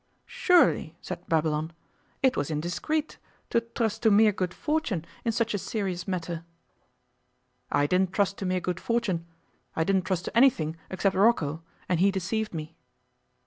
'Surely,' said Babylon, 'it was indiscreet to trust to mere good fortune in such a serious matter?' 'I didn't trust to mere good fortune. I didn't trust to anything except Rocco, and he deceived me.